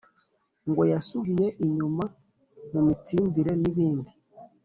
ngo yasubiye inyuma mu mitsindire n’ibindi.